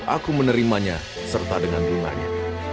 aku menerimanya serta dengan bunganya